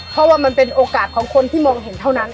เพราะว่ามันเป็นโอกาสของคนที่มองเห็นเท่านั้น